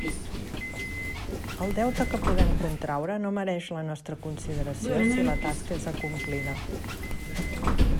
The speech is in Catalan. El deute que podem contraure no mereix la nostra consideració si la tasca és acomplida.